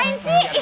kamu gak main sih